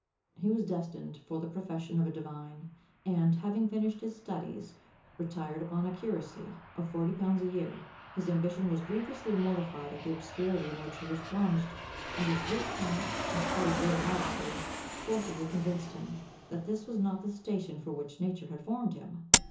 He was destined for the profession of a divine, and, having finished his studies, retired upon a curacy of forty pounds a year. His ambition was grievously mortified at the obscurity in which he was plunged; and his great talents, in spite of real modesty, forcibly convinced him, that this was not the station for which nature had formed him.